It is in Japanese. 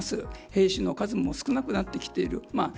兵士の数も少なくなってきている。